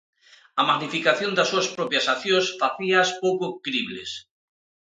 A magnificación das súas propias accións facíaas pouco cribles.